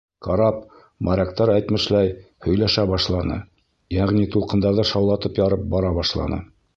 Карап, моряктар әйтмешләй, «һөйләшә башланы», йәғни тулҡындарҙы шаулатып ярып бара башланы.